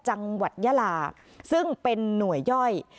จังหวัดยาลาซึ่งเป็นหน่วยย่อย